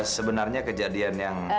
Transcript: sebenarnya kejadian yang